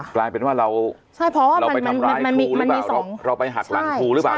กลายเป็นว่าเราไปทำร้ายครูหรือเปล่าเราไปหักหลังครูหรือเปล่า